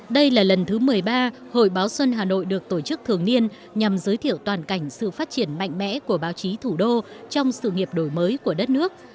đây là lần thứ một mươi ba hội báo xuân hà nội được tổ chức thường niên nhằm giới thiệu toàn cảnh sự phát triển mạnh mẽ của báo chí thủ đô trong sự nghiệp đổi mới của đất nước